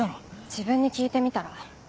自分に聞いてみたら？